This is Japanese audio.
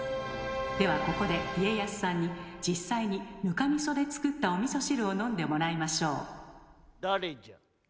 ではここで家康さんに実際に糠味噌で作ったお味噌汁を飲んでもらいましょう誰じゃ？